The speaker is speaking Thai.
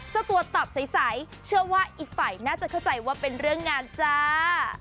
เจ้าตัวตอบใสเชื่อว่าอีกฝ่ายน่าจะเข้าใจว่าเป็นเรื่องงานจ้า